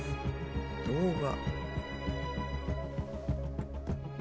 動画。